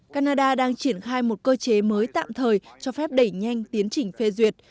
canada đang triển khai một cơ chế mới tạm thời cho phép đẩy nhanh tiến trình phê duyệt